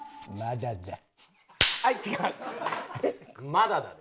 「まだだ」ね。